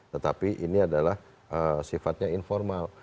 tetapi ini adalah sifatnya informal